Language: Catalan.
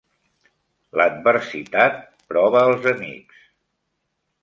L'adversitat prova els amics